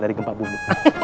dari gempa bumi